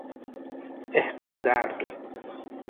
احساس درد